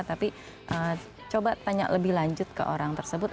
tapi coba tanya lebih lanjut ke orang tersebut